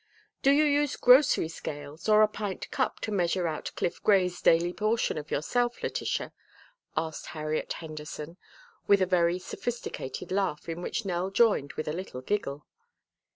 "Do you use grocery scales or a pint cup to measure out Cliff Gray's daily portion of yourself, Letitia?" asked Harriet Henderson, with a very sophisticated laugh in which Nell joined with a little giggle.